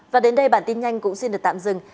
và đến đây bản tin nhanh cũng xin được tạm dừng